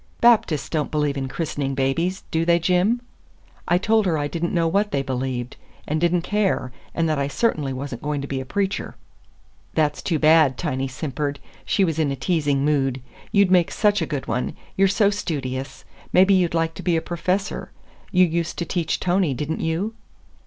"Baptists don't believe in christening babies, do they, Jim?" I told her I did n't know what they believed, and did n't care, and that I certainly was n't going to be a preacher. "That's too bad," Tiny simpered. She was in a teasing mood. "You'd make such a good one. You're so studious. Maybe you'd like to be a professor. You used to teach Tony, did n't you?"